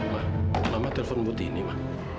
ma mama telpon bu tini ma